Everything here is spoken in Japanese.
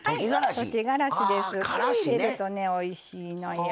これ入れるとねおいしいのよ。